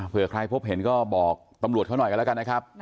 เพื่อใครพบเห็นก็บอกตำรวจเขาหน่อยกันแล้วกันนะครับ